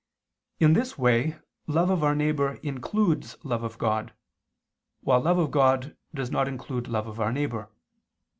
In this way love of our neighbor includes love of God, while love of God does not include love of our neighbor.